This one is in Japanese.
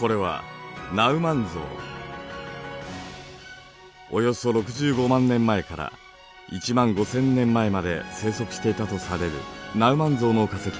これはおよそ６５万年前から１万５，０００年前まで生息していたとされるナウマンゾウの化石も示準化石の一つです。